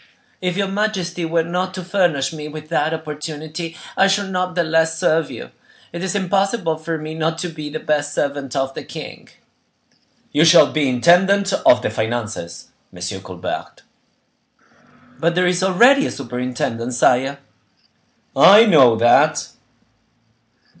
"If your majesty were not to furnish me with that opportunity, I should not the less serve you. It is impossible for me not to be the best servant of the king." "You shall be intendant of the finances, M. Colbert." "But there is already a superintendent, sire." "I know that."